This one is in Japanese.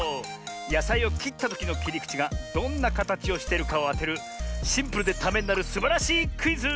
やさいをきったときのきりくちがどんなかたちをしてるかをあてるシンプルでためになるすばらしいクイズ！